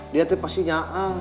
dia pasti nyakal